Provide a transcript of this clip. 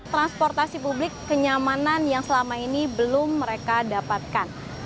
transportasi publik kenyamanan yang selama ini belum mereka dapatkan